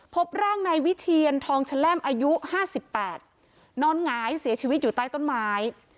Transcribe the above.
พบร่างนายวิเทียนทองแชล่มอายุ๕๘นอนหงายเสียชีวิตอยู่ใต้ต้นไม้